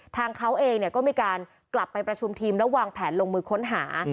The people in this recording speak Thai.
ทางเขาเองก็มีการกลับไปประชุมทีมแล้ววางแผนลงมือค้นหา